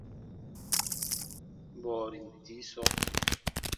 Bɔɔrin tii sɔɔ.